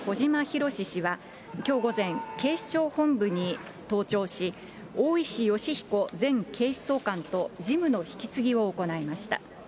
第９８代警視総監に就任した小島ひろし氏は、きょう午前、警視庁本部に登庁し、大石吉彦前警視総監と事務の引き継ぎを行いました。